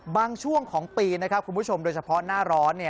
บางช่วงของปีนะครับคุณผู้ชมโดยเฉพาะหน้าร้อน